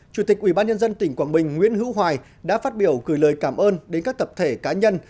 chủ tịch ubnd tỉnh quảng bình nguyễn hữu hoài đã phát biểu gửi lời cảm ơn đến các tập thể cá nhân